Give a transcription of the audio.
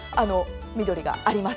緑があります。